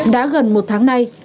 đã gần một tháng nay